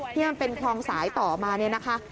ที่มันเป็นคลองสายต่อมาเนี่ยนะคะ